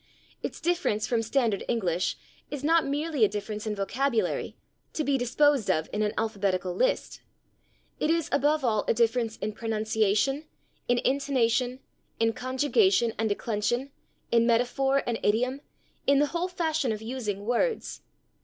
Its difference from standard English is not merely a difference in vocabulary, to be disposed of in an alphabetical list; it is, above all, a difference in pronunciation, in intonation, in conjugation and declension, in metaphor and idiom, in the whole fashion of using words.